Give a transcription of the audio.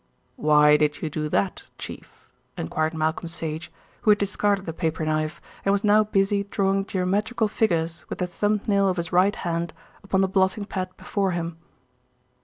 "Why did you do that, Chief?" enquired Malcolm Sage, who had discarded the paper knife and was now busy drawing geometrical figures with the thumb nail of his right hand upon the blotting pad before him.